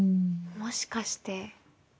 もしかして。